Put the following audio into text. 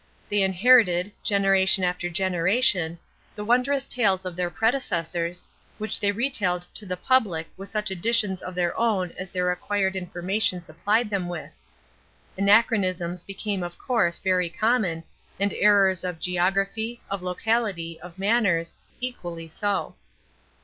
They inherited, generation after generation, the wondrous tales of their predecessors, which they retailed to the public with such additions of their own as their acquired information supplied them with. Anachronisms became of course very common, and errors of geography, of locality, of manners, equally so.